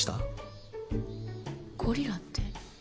ゴリラって？